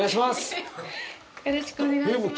よろしくお願いします